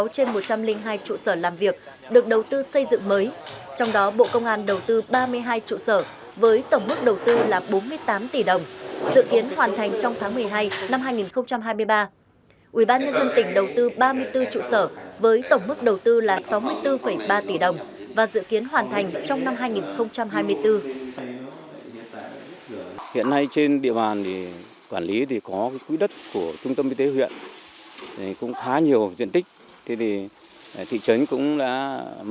sáu mươi sáu trên một trăm linh hai trụ sở làm việc được đầu tư xây dựng mới trong đó bộ công an đầu tư ba mươi hai trụ sở với tổng mức đầu tư là bốn mươi tám tỷ đồng dự kiến hoàn thành trong tháng một mươi hai năm hai nghìn hai mươi ba